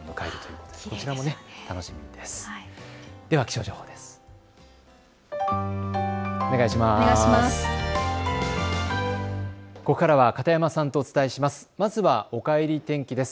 ここからは片山さんとお伝えします。